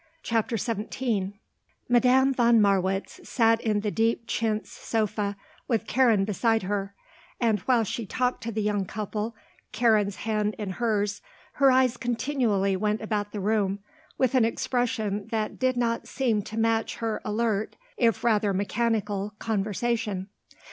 CHAPTER XVII Madame von Marwitz sat in the deep chintz sofa with Karen beside her, and while she talked to the young couple, Karen's hand in hers, her eyes continually went about the room with an expression that did not seem to match her alert, if rather mechanical, conversation.